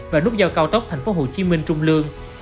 và nút giao cao tốc tp hcm trung lương